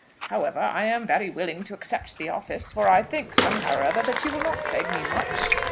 However, I am very willing to accept the office; for I think, somehow or other, that you will not plague me much.